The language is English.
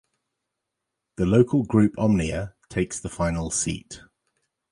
The local group Omnia takes the final seat.